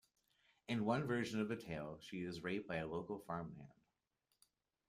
In one version of the tale she is raped by a local farmhand.